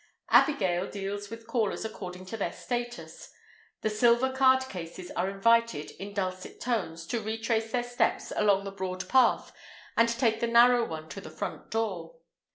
Abigail deals with callers according to their status: the silver card cases are invited, in dulcet tones, to retrace their steps along the broad path and take the narrow one to the front door.